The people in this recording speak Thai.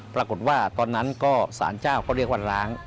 ปรากฏว่าตอนนั้นก็สารเจ้าเขาเรียกว่าล้าง